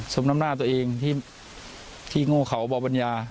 สมน้ำหน้าตัวเองที่โง่เขาบอกบรรยา